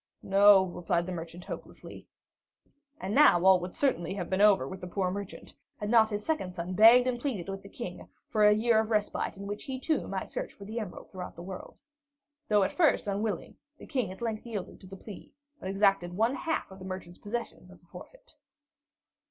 "No," replied the merchant, hopelessly. And now all would certainly have been over with the poor merchant, had not his second son begged and pleaded with the King for a year of respite in which he, too, might search for the emerald through the world. Though at first unwilling, the King at length yielded to the plea, but exacted one half of the merchant's possessions as a forfeit.